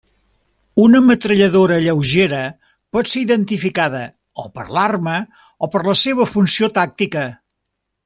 Una metralladora lleugera pot ser identificada o per l'arma o per la seva funció tàctica.